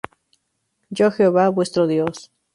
Yo Jehová vuestro Dios.